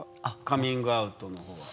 カミングアウトの方は。